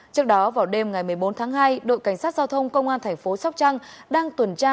trước đó vào đêm ngày một mươi bốn tháng hai đội cảnh sát giao thông công an thành phố sóc trăng đang tuần tra